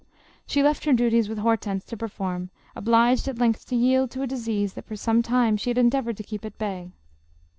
She left her duties with Hortense to perform, obliged at length to yield to a disease that for some time she had endeavored to keep at bay.